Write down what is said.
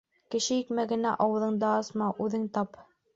Кеше икмәгенә ауыҙыңды асма, үҙең тап.